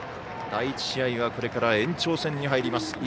第１試合はこれから延長戦に入ります。